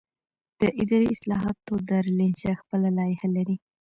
د اداري اصلاحاتو دارالانشا خپله لایحه لري.